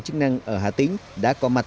chức năng ở hà tĩnh đã có mặt